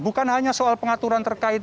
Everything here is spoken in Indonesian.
bukan hanya soal pengaturan terkait